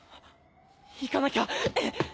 行かなきゃ！